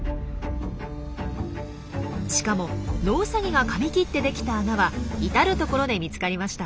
しかもノウサギがかみ切って出来た穴は至る所で見つかりました。